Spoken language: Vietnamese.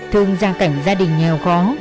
thường ra cảnh gia đình nghèo khó